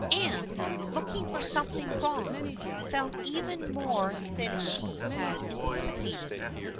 Anne, looking for something wrong, found even more than she had anticipated.